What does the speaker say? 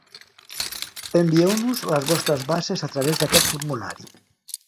Envieu-nos les vostres bases a través d'aquest formulari.